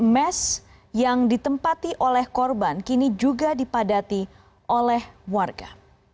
mes yang ditempati oleh korban kini juga dipadati oleh warga